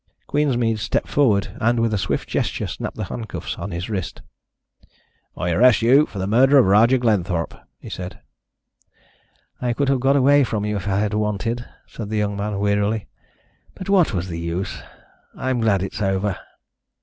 Queensmead stepped forward and with a swift gesture snapped the handcuffs on his wrist. "I arrest you for the murder of Roger Glenthorpe," he said. "I could have got away from you if I had wanted," said the young man wearily. "But what was the use? I'm glad it is over."